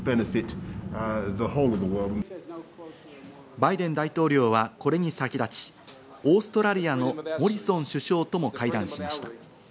バイデン大統領はこれに先立ち、オーストラリアのモリソン首相とも会談しました。